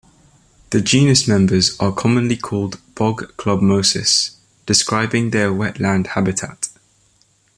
The genus members are commonly called bog clubmosses, describing their wetland habitat.